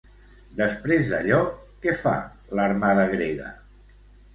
Després d'allò què fa l'armada grega?